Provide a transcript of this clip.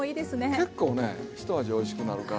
結構ねひと味おいしくなるから。